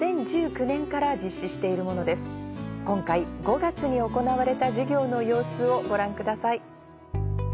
今回５月に行われた授業の様子をご覧ください。